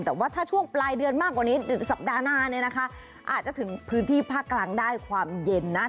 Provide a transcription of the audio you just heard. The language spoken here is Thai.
แต่ว่าถ้าช่วงปลายเดือนมากกว่านี้สัปดาห์หน้าเนี่ยนะคะอาจจะถึงพื้นที่ภาคกลางได้ความเย็นนะ